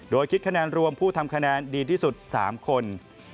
โดยคิดคะแนนรวมผู้ทำคะแนนดีที่สุด๓คน